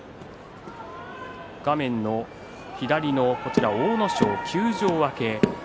画面左の阿武咲、休場明け。